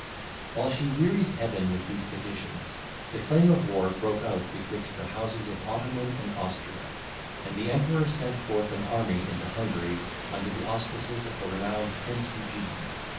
While she wearied Heaven with these petitions, the flame of war broke out betwixt the houses of Ottoman and Austria, and the Emperor sent forth an army into Hungary, under the auspices of the renowned Prince Eugene.